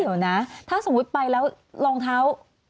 ไม่เห็นนะถ้าสมมุติไปแล้วรองเท้า